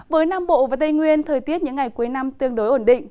với nam bộ và tây nguyên thời tiết những ngày cuối năm tương đối ổn định